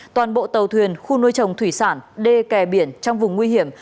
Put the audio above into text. toàn bộ tàu thuyền khu nuôi trồng thủy sản đê kè biển trong vùng nguy hiểm